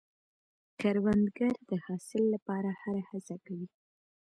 کروندګر د حاصل لپاره هره هڅه کوي